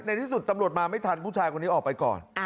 ในที่สุดตำรวจมาไม่ทันผู้ชายคนนี้ออกไปก่อน